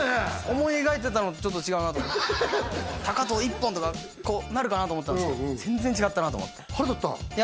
思い描いてたのとちょっと違うなと思って「藤一本」とかこうなるかなと思ったんすけど全然違ったなと思っていや